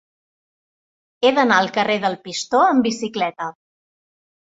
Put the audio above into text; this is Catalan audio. He d'anar al carrer del Pistó amb bicicleta.